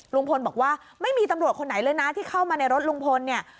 ลุงพลบอกว่าไม่มีตำรวจคนไหนเลยนะที่เข้ามาในรถลุงพลเนี่ย